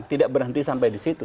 tidak berhenti sampai di situ